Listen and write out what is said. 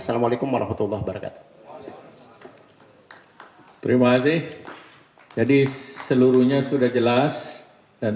assalamualaikum warahmatullahi wabarakatuh terima kasih jadi seluruhnya sudah jelas dan